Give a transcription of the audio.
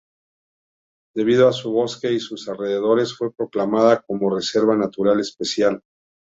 Debido a su bosque y sus alrededores, fue proclamada como reserva natural especial.